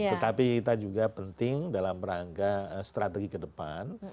tetapi kita juga penting dalam rangka strategi kedepan